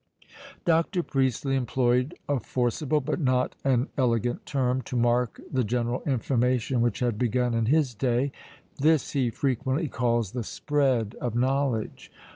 Dr. Priestley employed a forcible, but not an elegant term, to mark the general information which had begun in his day; this he frequently calls "the spread of knowledge."